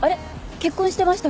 結婚してましたっけ？